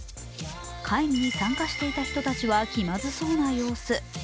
会議に参加していた人たちは気まずそうな様子。